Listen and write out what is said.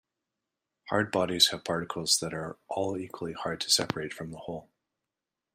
Hard bodies have particles that are all equally hard to separate from the whole.